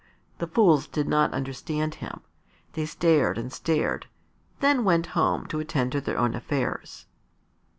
The fools did not understand him. They stared and stared, then went home to attend to their own affairs.